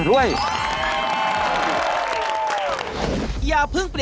โอ้โฮ